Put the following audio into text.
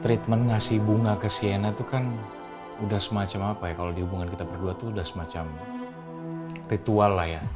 treatment ngasih bunga ke cnn itu kan udah semacam apa ya kalau di hubungan kita berdua tuh udah semacam ritual lah ya